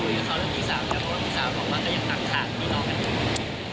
วิสาติถูกว่าไปทัหดมีน้องแบบนี้